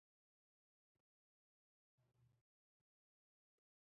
خدای منم ، رسول منم .